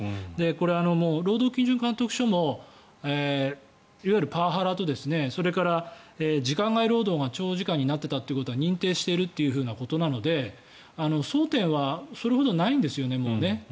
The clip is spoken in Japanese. これは労働基準監督署もいわゆるパワハラとそれから時間外労働が長時間になっていたということは認定しているということなので争点はそれほどないんですよねもうね。